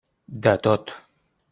De tot.